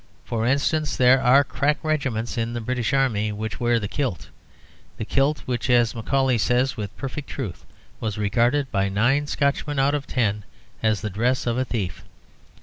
For instance, there are crack regiments in the British Army which wear the kilt the kilt which, as Macaulay says with perfect truth, was regarded by nine Scotchmen out of ten as the dress of a thief.